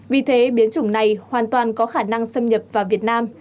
vì thế biến chủng này hoàn toàn có khả năng xâm nhập vào việt nam